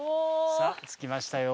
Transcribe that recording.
さぁ着きましたよ